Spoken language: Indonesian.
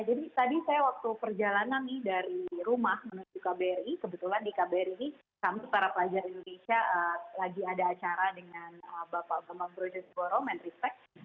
jadi tadi saya waktu perjalanan nih dari rumah menuju kbri kebetulan di kbri sama para pelajar indonesia lagi ada acara dengan bapak gema brodjensboro men respect